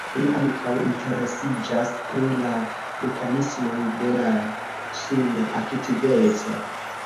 Li ankaŭ interesiĝas pri la mekanismoj de la suna aktiveco.